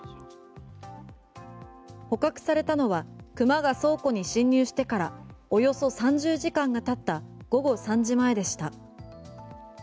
捕獲されたのは熊が倉庫に侵入してからおよそ３０時間が経った午後３時前でした。